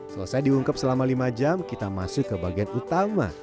selesai diungkap selama lima jam kita masuk ke bagian utama